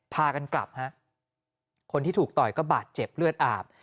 พากันกลับฮะคนที่ถูกต่อยก็บาดเจ็บเลือดอาบ